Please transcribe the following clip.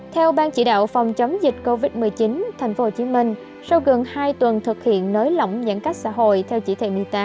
theo ban chỉ đạo phòng chống dịch covid một mươi chín thành phố hồ chí minh sau gần hai tuần thực hiện nới lỏng giãn cách xã hội theo chỉ thị một mươi tám